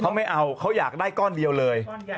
เขาไม่เอาเขาอยากได้ก้อนเดียวเลย